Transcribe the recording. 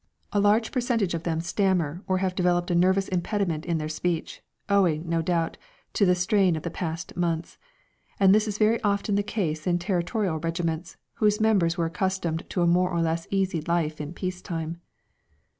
A large percentage of them stammer or have developed a nervous impediment in their speech, owing, no doubt, to the strain of the past months; and this is very often the case in Territorial regiments, whose members were accustomed to a more or less easy life in peace time.